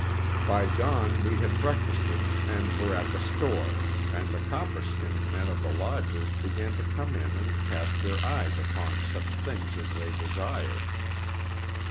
By dawn we had breakfasted and were at the store, and the copper skinned men of the lodges began to come in and cast their eyes upon such things as they desired.